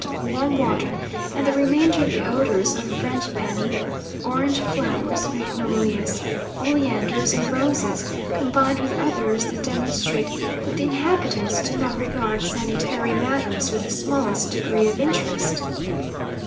of warm water, and the remainder of the odours of Frangipani, orange flowers, magnolias, oleanders, and roses, combined with others that demonstrate that the inhabitants do not regard sanitary matters with the smallest degree of interest.